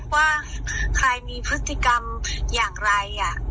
ว่าใครมีพฤติกรรมอย่างไร